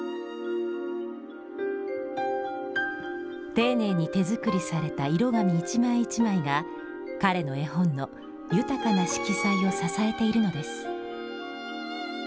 丁寧に手作りされた色紙一枚一枚が彼の絵本の豊かな色彩を支えているのです。